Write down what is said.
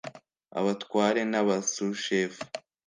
abatware n'aba sushefu